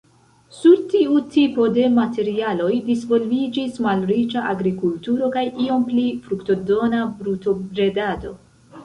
Sur tiu tipo de materialoj disvolviĝis malriĉa agrikulturo kaj iom pli fruktodona brutobredado.